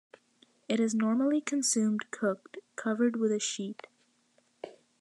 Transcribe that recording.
It is normally consumed cooked, covered with a sheet.